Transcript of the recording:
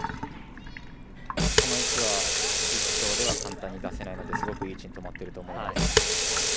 この石は１投では簡単に出せないのですごく、いい位置に止まっていると思います。